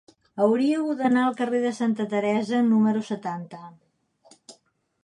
Hauria d'anar al carrer de Santa Teresa número setanta.